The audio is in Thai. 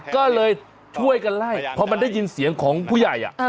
ก็เลยช่วยกันไล่เพราะมันได้ยินเสียงของผู้ใหญ่